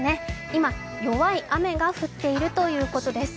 今、弱い雨が降っているということです。